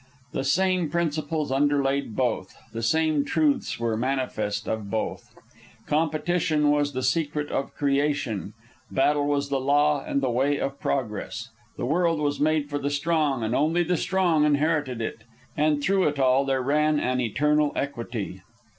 The same principles underlaid both; the same truths were manifest of both. Competition was the secret of creation. Battle was the law and the way of progress. The world was made for the strong, and only the strong inherited it, and through it all there ran an eternal equity.